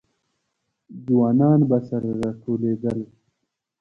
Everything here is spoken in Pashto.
ځوانان به سره راټولېدل.